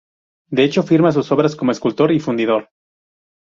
De hecho firma sus obras como escultor y fundidor.